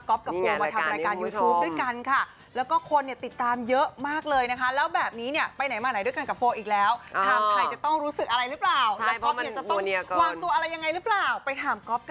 ก๊อปกับโฟลมาทำรายการยูทูปด้วยกันค่ะ